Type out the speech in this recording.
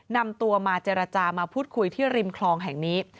นำตัวมาเจรจามาพูดคุยที่ริมคลองแห่งนี้